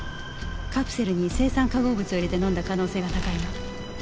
カプセルに青酸化合物を入れて飲んだ可能性が高いわ。